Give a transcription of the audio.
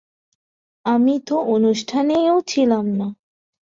আমি তো অনুষ্ঠানেও ছিলাম না।